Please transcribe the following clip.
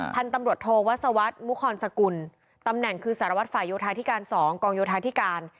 พันธุ์ตำรวจโทวัศวรรษมุครสกุลตำแหน่งคือสารวัตรฝ่ายโยธาธิการ๒กองโยธาธิการ